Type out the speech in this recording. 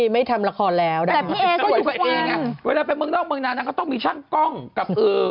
ไม่ทำละครแล้วแต่อันตรีกว่าเมืองนอกเมืองนานมันก็ต้องมีช่างกล้องกับอื่อ